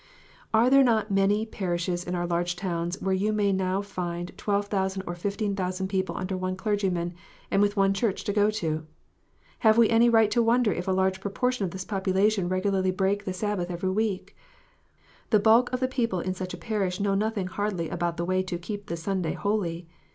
Are there not many parishes in our large towns where you may now find 12,000 or 15,000 people under one clergyman, and with one church to go to 1 Have we any right to wonder if a large proportion of this population regularly break the Sabbath every week ? The bulk of the people in such a parish know nothing hardly about the way to "keep the Sunday holy."